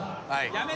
やめて。